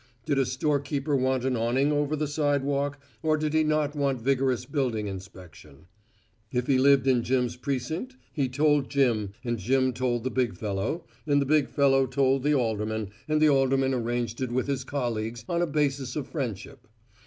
Did a storekeeper want an awning over the sidewalk, or did he not want vigorous building inspection, if he lived in Jim's precinct, he told Jim, and Jim told the big fellow, and the big fellow told the alderman, and the alderman arranged it with his colleagues on a basis of friendship.